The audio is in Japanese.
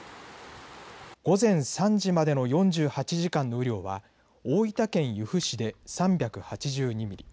午前３時までの４８時間の雨量は大分県由布市で３８２ミリ